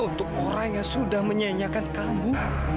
untuk orang yang sudah menyanyiakan kamu